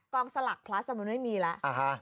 กองสลักพลัดสำหรับนายมีแล้ว